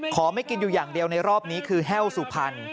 ไม่กินอยู่อย่างเดียวในรอบนี้คือแห้วสุพรรณ